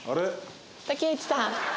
竹内さん。